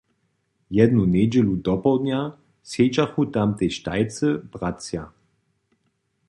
Jednu njedźelu dopołdnja sedźachu tam tež tajcy bratřa.